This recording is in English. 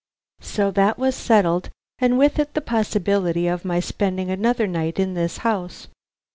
So that was settled, and with it the possibility of my spending another night in this house.